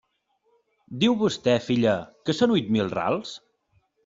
Diu vostè, filla, que són huit mil rals?